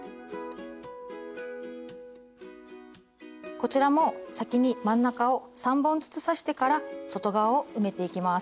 こちらも先に真ん中を３本ずつ刺してから外側を埋めていきます。